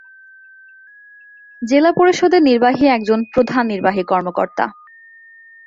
জেলা পরিষদের নির্বাহী একজন প্রধান নির্বাহী কর্মকর্তা।